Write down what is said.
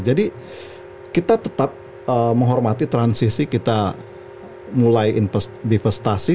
jadi kita tetap menghormati transisi kita mulai investasi